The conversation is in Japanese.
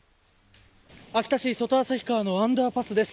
秋田市のアンダーパスです。